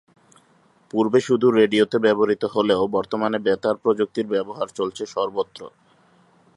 পূর্বে শুধু রেডিওতে ব্যবহৃত হলেও বর্তমানে বেতার প্রযুক্তির ব্যবহার চলছে সর্বত্র।